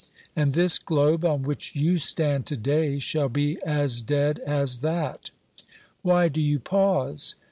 And this globe on which you stand to day shall be as dead as that. Why do you pause?